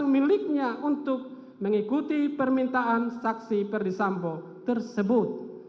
delapan ratus lima puluh satu miliknya untuk mengikuti permintaan saksi perdisambo tersebut